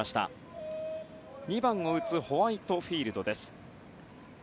打席は、２番を打つホワイトフィールドです。